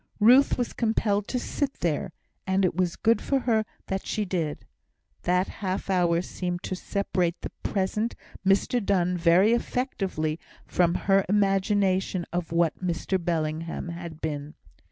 Ruth was compelled to sit there, and it was good for her that she did. That half hour seemed to separate the present Mr Donne very effectively from her imagination of what Mr Bellingham had been.